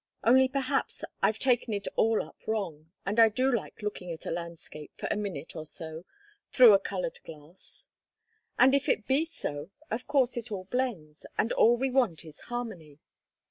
Only perhaps I've taken it all up wrong, and I do like looking at a landscape for a minute or so through a colored glass; and if it be so, of course it all blends, and all we want is harmony.